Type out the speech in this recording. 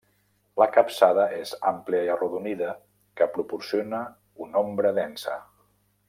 La capçada és àmplia i arrodonida que proporciona una ombra densa.